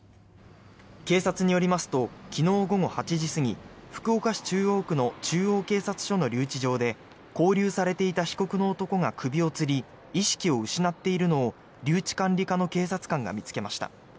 警察によりますと昨日午後８時過ぎ福岡市中央区の中央警察署の留置場で勾留されていた被告の男が首をつり意識を失っているのを留置管理課の警察官が見つけました。